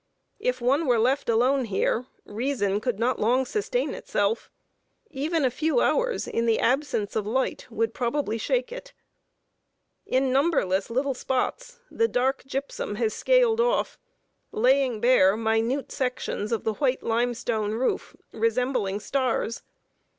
If one were left alone here, reason could not long sustain itself. Even a few hours, in the absence of light, would probably shake it. In numberless little spots, the dark gypsum has scaled off, laying bare minute sections of the white limestone roof, resembling stars.